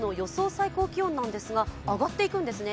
最高気温なんですが上がっていくんですね。